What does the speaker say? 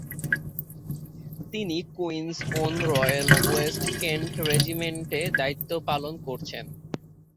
তিনি Queen's Own Royal West Kent রেজিমেন্টে দায়িত্বপালন করেছেন।